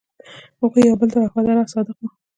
هغوی یو بل ته وفادار او صادق وو.